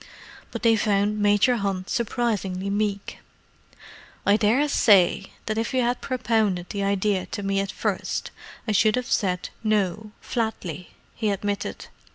But they found Major Hunt surprisingly meek. "I daresay that if you had propounded the idea to me at first I should have said 'No' flatly," he admitted.